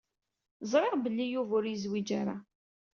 Ẓriɣ belli Yuba ur yezwiǧ ara.